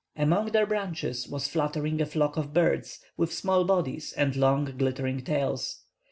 Among their branches was fluttering a flock of birds, with small bodies and long, glittering tails.